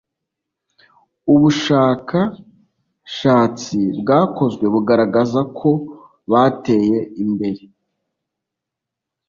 ubushskashatsi bwakozwe bugaragaza ko bateya imbere